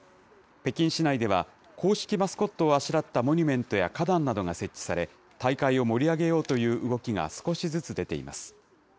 北京市内では、公式マスコットをあしらったモニュメントや花壇などが設置され、大会を盛り上げようという動きが少しずつ出ています。